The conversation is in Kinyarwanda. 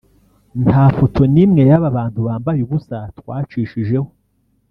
ntafoto n’imwe y’aba bantu bambaye ubusa twacishijeho